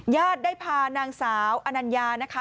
ญาติได้พานางสาวอนัญญานะคะ